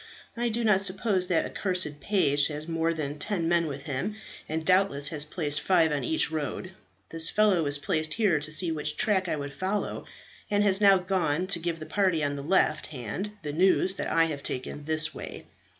I do not suppose that accursed page has more than ten men with him, and doubtless has placed five on each road. This fellow was placed here to see which track I would follow, and has now gone to give the party on the left hand the news that I have taken this way.